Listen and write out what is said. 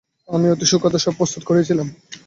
আমি অতি সুখাদ্য সব প্রস্তুত করিয়াছিলাম।